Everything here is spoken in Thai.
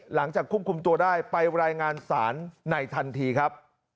หลังจากควบคุมตัวได้ไปรายงานศาลในทันทีครับ